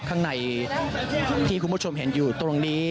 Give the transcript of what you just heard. ข้างในที่คุณผู้ชมเห็นอยู่ตรงนี้